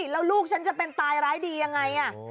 แล้วลูกฉันจะเป็นตายร้ายดียังไง